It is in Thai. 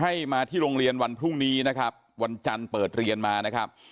ให้มาที่โรงเรียนวันพรุ่งนี้นะครับวันจันทร์เปิดเรียนมานะครับ